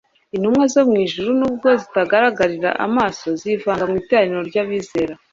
Intumwa zo mu ijuru nubwo zitagaragarira amaso, zivanga n'iteraniro ry'abizera